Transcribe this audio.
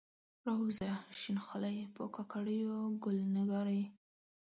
راووځه شین خالۍ، په کاکړیو ګل نګارې